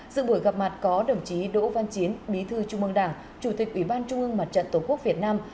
dự buổi gặp mặt có đồng chí đỗ văn chiến bí thư trung mương đảng chủ tịch ủy ban trung ương mặt trận tổ quốc việt nam